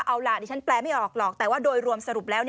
เอาล่ะดิฉันแปลไม่ออกหรอกแต่ว่าโดยรวมสรุปแล้ว